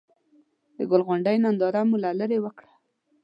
د ګل غونډۍ ننداره مو له ليرې وکړه.